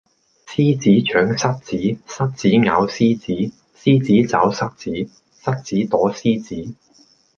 獅子長蝨子，蝨子咬獅子，獅子抓蝨子，蝨子躲獅子